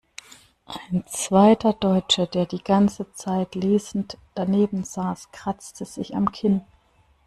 Ein zweiter Deutscher, der die ganze Zeit lesend daneben saß, kratzt sich am Kinn.